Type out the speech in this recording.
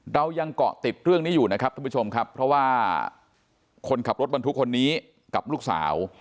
เรายังเกาะติดเรื่องนี้อยู่นะครับท่านผู้ชมครับเพราะว่าคนขับรถบรรทุกคนนี้กับลูกสาว